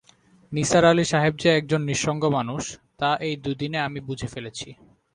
নিসার আলি সাহেব যে একজন নিঃসঙ্গ মানুষ তা এই দুদিনে আমি বুঝে ফেলেছি।